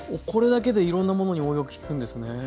これだけでいろんなものに応用利くんですね。